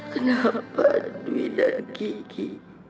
kenapa dwi dan kiki